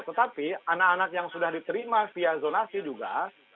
tetapi anak anak yang sudah diterima via zonasi juga